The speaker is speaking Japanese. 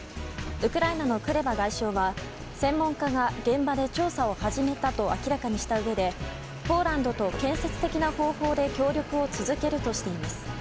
ウクライナのクレバ外相は専門家が現場で調査を始めたと明らかにしたうえでポーランドと建設的な方法で協力を続けるとしています。